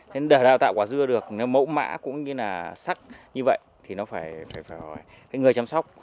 nên để đào tạo quả dưa được mẫu mã cũng như là sắc như vậy thì nó phải cái người chăm sóc